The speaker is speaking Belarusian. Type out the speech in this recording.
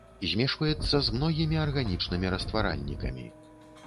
Змешваецца з многімі арганічнымі растваральнікамі.